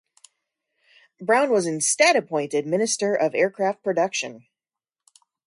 Brown was instead appointed Minister of Aircraft Production.